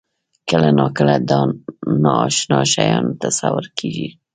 کله ناکله د نااشنا شیانو تصور کېږي.